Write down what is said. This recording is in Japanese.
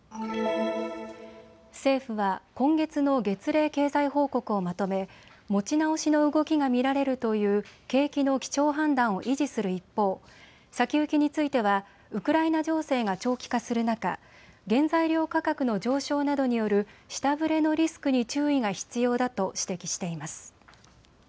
政府は今月の月例経済報告をまとめ持ち直しの動きが見られるという景気の基調判断を維持する一方、先行きについてはウクライナ情勢が長期化する中、原材料価格の上昇などによる下振れのリスクに注意が必要だと指摘しています。